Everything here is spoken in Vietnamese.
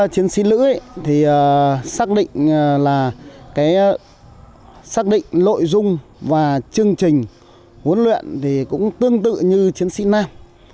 chiến sĩ lữ thì xác định lội dung và chương trình huấn luyện cũng tương tự như chiến sĩ nam